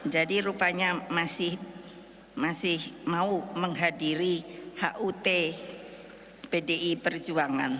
jadi rupanya masih mau menghadiri hut pdi perjuangan